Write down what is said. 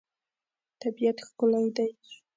طبیعت ښکلی دی.